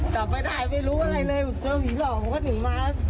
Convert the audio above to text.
จับไม่ได้ไม่รู้อะไรเลยเจอผีหลอกผมก็หนีมา